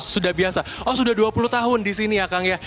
sudah biasa oh sudah dua puluh tahun di sini ya kang ya